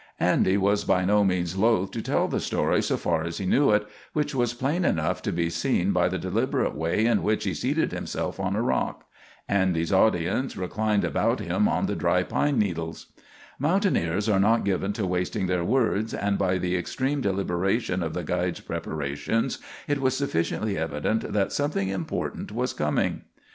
Andy was by no means loath to tell the story so far as he knew it, which was plain enough to be seen by the deliberate way in which he seated himself on a rock. Andy's audience reclined about him on the dry pine needles. Mountaineers are not given to wasting their words, and by the extreme deliberation of the guide's preparations it was sufficiently evident that something important was coming.